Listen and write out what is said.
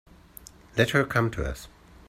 Let her come to us.